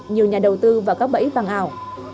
nhiều nhà đầu tư vào các bẫy vàng ảo